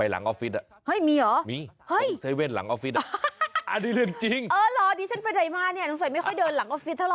จังสักทีไม่ค่อยเดินหลังออฟฟิศเท่าไหร่